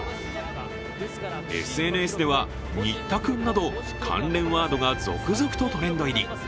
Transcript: ＳＮＳでは新田君など関連ワードが続々とトレンド入り。